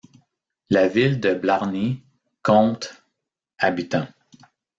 La ville de Blarney compte habitants.